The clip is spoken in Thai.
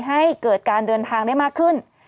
ให้เกิดการเดินทางได้มากขึ้น